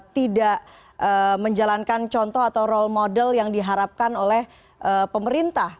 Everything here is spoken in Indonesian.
tidak menjalankan contoh atau role model yang diharapkan oleh pemerintah